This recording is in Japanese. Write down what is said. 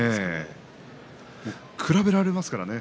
比べられますからね